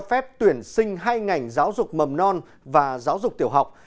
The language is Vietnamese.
cho phép tuyển sinh hai ngành giáo dục mầm non và giáo dục tiểu học